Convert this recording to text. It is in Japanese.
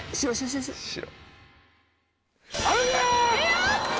やった！